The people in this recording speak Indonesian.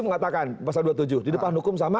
mengatakan pasal dua puluh tujuh di depan hukum sama